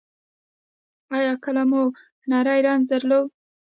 ایا کله مو نری رنځ درلود؟